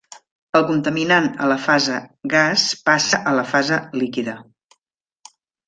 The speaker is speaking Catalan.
El contaminant a la fase gas passa a la fase líquida.